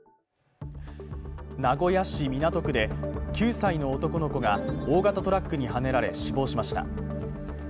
名古屋市港区で９歳の男の子が大型トラックにはねられ、死亡しました。